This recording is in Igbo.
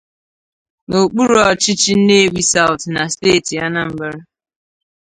n'okpuru ọchịchị 'Nnewi South' na steeti Anambra